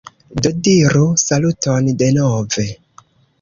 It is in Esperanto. Do diru saluton denove